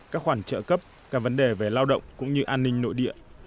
các khoản trợ cấp các vấn đề về lao động cũng như an ninh nội địa